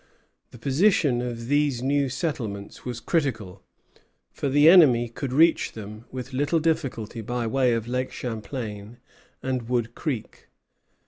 The position of these new settlements was critical, for the enemy could reach them with little difficulty by way of Lake Champlain and Wood Creek.